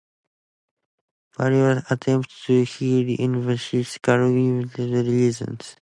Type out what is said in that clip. Various attempts to re-establish his career came to nothing for the same reason.